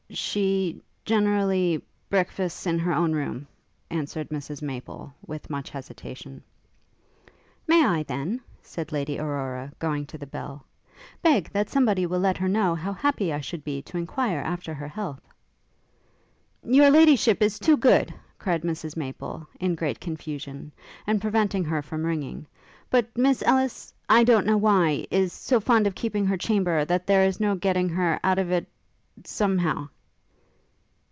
'She ... generally ... breakfasts in her own room,' answered Mrs Maple, with much hesitation. 'May I, then,' said Lady Aurora, going to the bell, 'beg that somebody will let her know how happy I should be to enquire after her health?' 'Your Ladyship is too good,' cried Mrs Maple, in great confusion, and preventing her from ringing; 'but Miss Ellis I don't know why is so fond of keeping her chamber, that there is no getting her out of it ... some how.